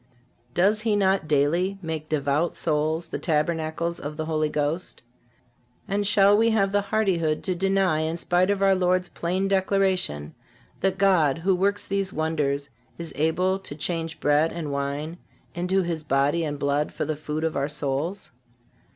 Does he not daily make devout souls the tabernacles of the Holy Ghost? And shall we have the hardihood to deny, in spite of our Lord's plain declaration, that God, who works these wonders, is able to change bread and wine into His body and blood for the food of our souls?